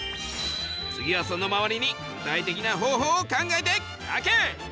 次はその周りに具体的な方法を考えて書け！